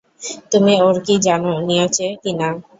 তুমি ওর কি জানো, নিয়োচে কি না।